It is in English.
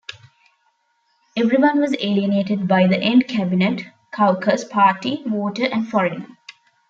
Everyone was alienated by the end-Cabinet, caucus, party, voter and foreigner.